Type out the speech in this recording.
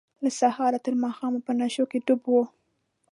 له سهاره تر ماښامه په نشو کې ډوب وه.